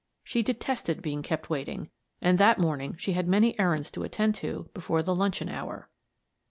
She detested being kept waiting, and that morning she had many errands to attend to before the luncheon hour.